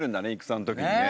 戦の時にね。